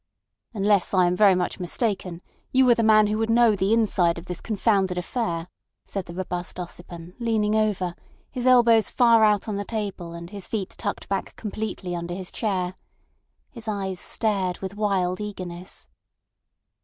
"Unless I am very much mistaken, you are the man who would know the inside of this confounded affair," said the robust Ossipon, leaning over, his elbows far out on the table and his feet tucked back completely under his chair. His eyes stared with wild eagerness.